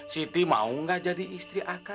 siti mau nggak jadi istri saya